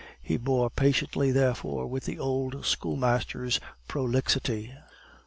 He bore patiently, therefore, with the old schoolmaster's prolixity.